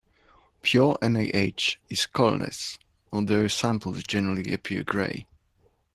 Pure NaH is colorless, although samples generally appear grey.